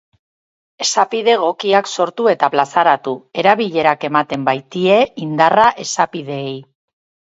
Esapide egokiak sortu eta plazaratu, erabilerak ematen baitie indarra esapideei.